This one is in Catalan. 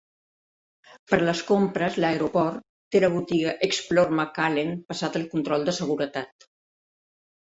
Per a les compres, l'aeroport té la botiga Explore McAllen passat el control de seguretat.